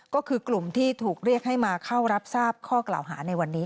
ก็คือกลุ่มที่ถูกเรียกให้มาเข้ารับทราบข้อกล่าวหาในวันนี้